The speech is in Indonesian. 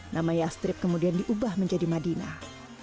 nama yastrip kemudian diubah menjadi madinah